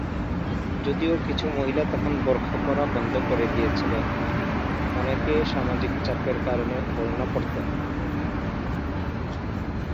যদিও কিছু মহিলা তখন বোরখা পরা বন্ধ করে দিয়েছিলেন, অনেকে সামাজিক চাপের কারণে ওড়না পরতেন।